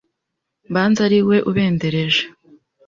Mbanza ari we ubendereje